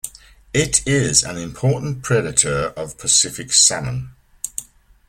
It is an important predator of Pacific salmon.